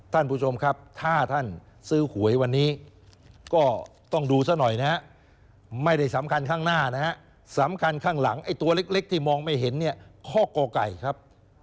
ท่านผู้ชมครับถ้าท่านซื้อหวยวันนี้ก็ต้องดูซะหน่อยนะฮะไม่ได้สำคัญข้างหน้านะฮะสำคัญข้างหลังไอ้ตัวเล็กที่มองไม่เห็นเนี่ยข้อก่อไก่ครับ